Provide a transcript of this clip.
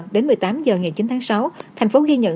đến một mươi tám h ngày chín tháng sáu thành phố ghi nhận